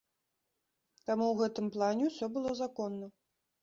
Таму ў гэтым плане ўсё было законна.